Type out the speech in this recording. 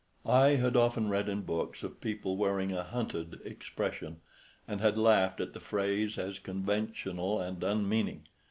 I had often read in books of people wearing a "hunted" expression, and had laughed at the phrase as conventional and unmeaning.